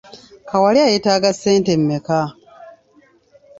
Kawalya yeetaaga ssente mmeka?